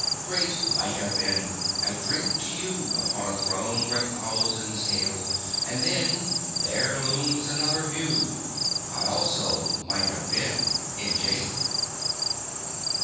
Great "Might Have Been," I drink to you Upon a throne where thousands hail And then there looms another view I also "might have been" in jail.